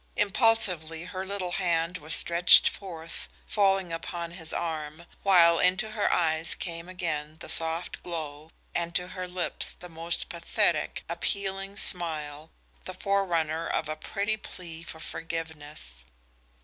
Impulsively her little hand was stretched forth, falling upon his arm, while into her eyes came again the soft glow and to her lips the most pathetic, appealing smile, the forerunner of a pretty plea for forgiveness.